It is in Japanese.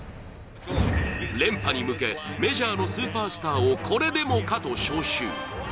連覇に向けメジャーのスーパースターをこれでもかと招集。